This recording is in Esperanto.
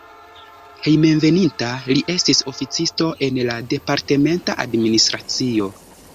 Hejmenveninta li estis oficisto en la departementa administracio.